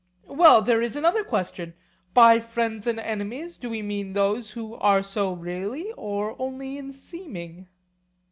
Well, there is another question: By friends and enemies do we mean those who are so really, or only in seeming?